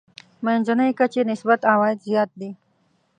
منځنۍ کچې نسبت عوايد زیات دي.